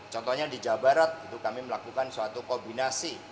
contohnya di jawa barat itu kami melakukan suatu kombinasi